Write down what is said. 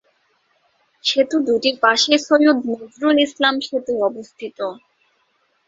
সেতু দুটির পাশেই সৈয়দ নজরুল ইসলাম সেতু অবস্থিত।